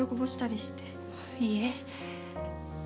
いいえ。